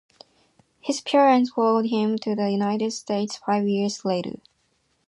His parents followed him to the United States five years later.